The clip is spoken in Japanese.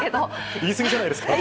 言い過ぎじゃないですか？